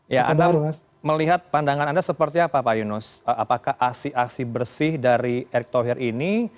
ya anda melihat pandangan anda seperti apa pak yunus apakah aksi aksi bersih dari erick thohir ini